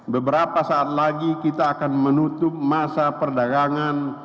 beberapa saat lagi kita akan menutup masa perdagangan